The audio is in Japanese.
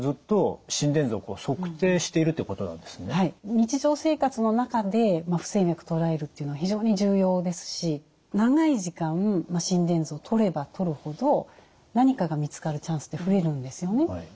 日常生活の中で不整脈を捉えるっていうのは非常に重要ですし長い時間心電図をとればとるほど何かが見つかるチャンスって増えるんですよね。